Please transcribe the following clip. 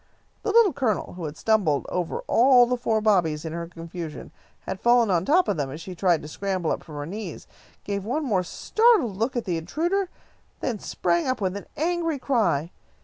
The Little Colonel, who had stumbled over all of the four Bobbies in her confusion, and fallen on top of them as she tried to scramble up from her knees, gave one more startled look at the intruder, and then sprang up with an angry cry.